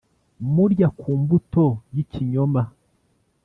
murya ku mbuto y’ikinyoma!